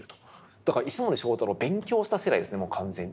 だから石森章太郎を勉強した世代ですねもう完全に。